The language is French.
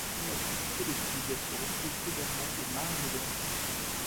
Des fondations séleucides se retrouvent également aux marges de l'empire.